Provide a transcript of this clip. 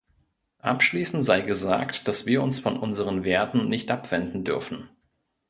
Abschließend sei gesagt, dass wir uns von unseren Werten nicht abwenden dürfen.